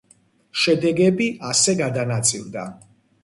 შედეგები ასე გადანაწილდა.